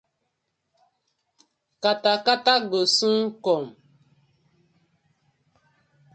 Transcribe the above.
Kata kata go soon kom.